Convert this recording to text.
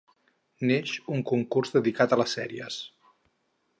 Neix un concurs dedicat a les sèries.